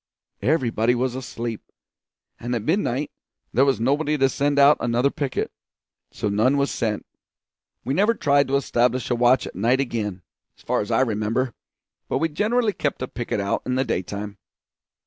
Everybody was asleep; at midnight there was nobody to send out another picket, so none was sent. We never tried to establish a watch at night again, as far as I remember, but we generally kept a picket out in the daytime.